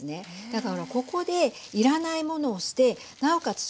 だからここで要らないものを捨てなおかつ